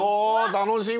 楽しみ！